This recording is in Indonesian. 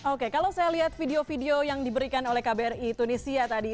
oke kalau saya lihat video video yang diberikan oleh kbri tunisia tadi